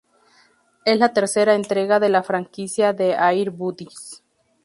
Es la tercera entrega de la franquicia de "Air Buddies".